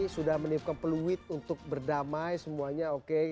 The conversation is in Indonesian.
sudah meniupkan peluit untuk berdamai semuanya oke